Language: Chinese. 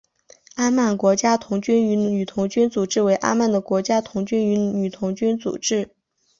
阿曼国家童军与女童军组织为阿曼的国家童军与女童军组织。